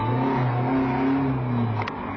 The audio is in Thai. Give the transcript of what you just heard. กลับไปยังไม่รู้ว่าวิทยาลัย